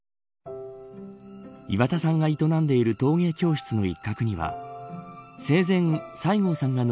岩田さんが営んでいる陶芸教室の一角には生前、西郷さん